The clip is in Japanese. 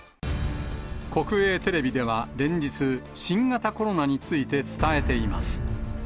国営テレビでは連日、新型コロナについて伝えています。